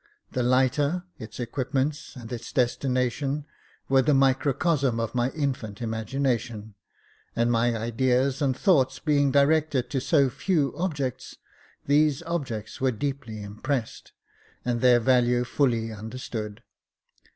The lighter, its equipments, and its destination were the microcosm of my infant imagination ; and my ideas and thoughts being directed to so few objects, these objects were deeply impressed, and their value fully under stood.